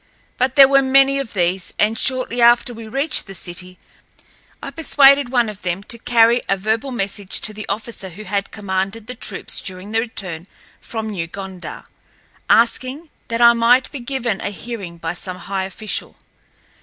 But there were many of these, and shortly after we reached the city I persuaded one of them to carry a verbal message to the officer who had commanded the troops during the return from New Gondar, asking that I might be given a hearing by some high official.